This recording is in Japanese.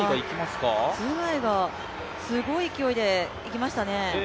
ツェガイがすごい勢いでいきました。